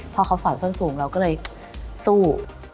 พอเขาสอนส้นสูงเราก็เลยสู้